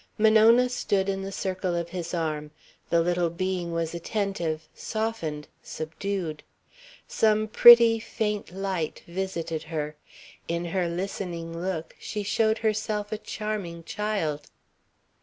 Monona stood in the circle of his arm. The little being was attentive, softened, subdued. Some pretty, faint light visited her. In her listening look, she showed herself a charming child.